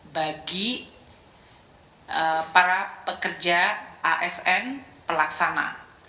bagi para pekerja asn pelaksana